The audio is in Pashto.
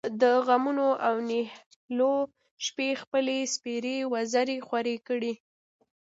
د غمـونـو او نهـيليو شـپې خپـلې سپـېرې وزرې خـورې کـړې.